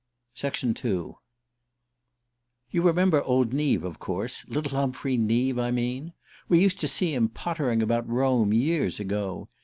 II YOU remember old Neave, of course? Little Humphrey Neave, I mean. We used to see him pottering about Rome years ago.